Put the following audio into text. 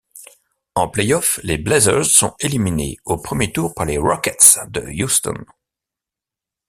En playoff, les Blazers sont éliminés au premier tour par les Rockets de Houston.